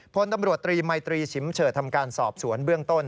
พลตำรวจตรีมัยตรีชิมเฉิดทำการสอบสวนเบื้องต้น